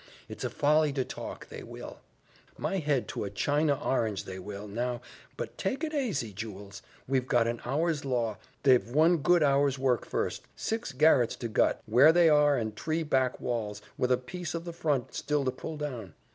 It's a folly to talk they will; my head to a China orange they will, now: but take it asy, jewels we've got an hour's law they've one good hour's work first six garrets to gut, where they are, and tree back walls, with a piece of the front, still to pull down.